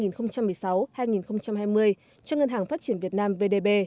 giai đoạn hai nghìn một mươi sáu hai nghìn hai mươi cho ngân hàng phát triển việt nam vdb